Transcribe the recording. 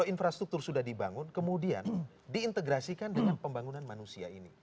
infrastruktur sudah dibangun kemudian diintegrasikan dengan pembangunan manusia ini